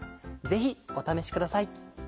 ぜひお試しください。